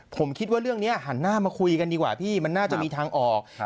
ผมคิดว่าเรื่องนี้หันหน้ามาคุยกันดีกว่าพี่มันน่าจะมีทางออก